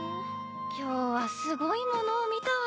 ・今日はすごいものを見たわ。